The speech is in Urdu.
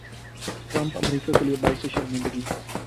ٹرمپ امریکا کیلئے باعث شرمندگی